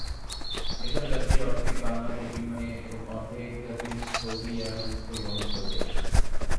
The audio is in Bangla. এসব যাত্রীর অর্ধেক বাংলাদেশ বিমানে এবং অর্ধেক যাত্রী সৌদি এয়ারলাইনস পরিবহন করবে।